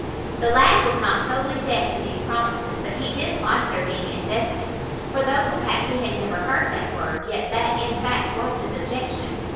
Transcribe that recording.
The lad was not totally deaf to these promises; but he disliked their being indefinite; for, though perhaps he had never heard that word, yet that, in fact, was his objection.